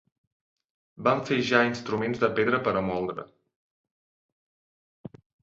Van fer ja instruments de pedra per a moldre.